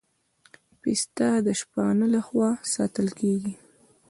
پسه د شپانه له خوا ساتل کېږي.